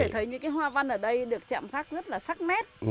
thì cái hoa văn ở đây được chạm khắc rất là sắc nét